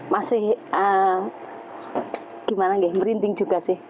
mungkin masih merinding juga sih